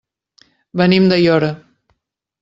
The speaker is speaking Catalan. Venim d'Aiora.